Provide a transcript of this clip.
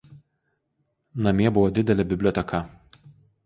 Namie buvo didelė biblioteka.